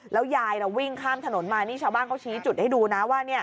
แล้วยายวิ่งข้ามถนนมานี่ชาวบ้านเขาชี้จุดให้ดูนะว่า